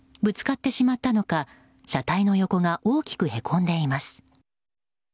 ぶつかってしまったのか車体の横が大きくへこんでいます。